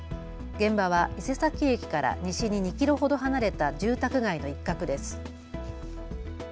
現場は伊勢崎駅から西に２キロほど離れた住宅街の一角です。